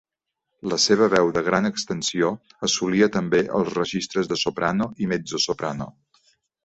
La seva veu de gran extensió assolia també els registres de soprano i mezzosoprano.